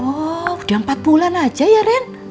oh udah empat bulan aja ya ren